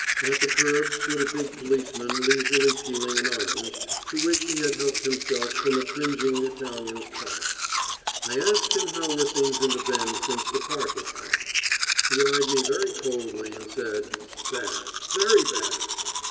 At the curb stood a big policeman leisurely peeling an orange, to which he had helped himself from a cringing Italian's cart. I asked him how were things in the Bend since the park had come. He eyed me very coldly, and said, "Bad, very bad."